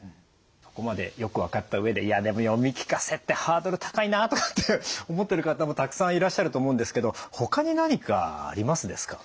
ここまでよく分かった上でいやでも読み聞かせってハードル高いなとかって思ってる方もたくさんいらっしゃると思うんですけどほかに何かありますですか？